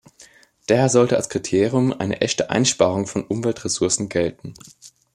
Daher sollte als Kriterium eine echte Einsparung von Umweltressourcen gelten.